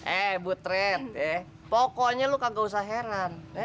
eh butret pokoknya lu kagak usah heran